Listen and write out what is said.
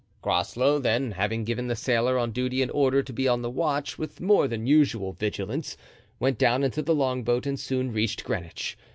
Groslow, then, having given the sailor on duty an order to be on the watch with more than usual vigilance, went down into the longboat and soon reached Greenwich.